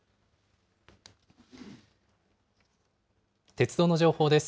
鉄道の情報です。